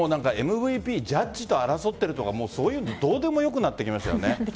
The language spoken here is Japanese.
ＭＶＰジャッジと争っているのとかそういうのどうでもよくなってきましたね。